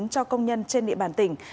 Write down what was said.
cho công nhân trên địa bàn tỉnh